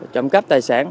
trộm cắp tài sản